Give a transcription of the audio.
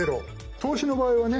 投資の場合はね